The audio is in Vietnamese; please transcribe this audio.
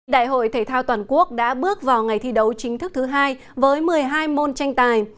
đại hội thể thao toàn quốc đã bước vào ngày thi đấu chính thức thứ hai với một mươi hai môn tranh tài